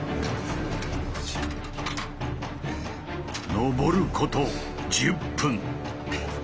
登ること１０分。